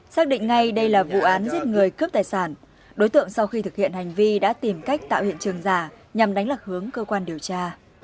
xác định ngay đây là vụ án giết người cướp tài sản đối tượng sau khi thực hiện hành vi đã tìm cách tạo hiện trường giả nhằm đánh lạc hướng cơ quan điều tra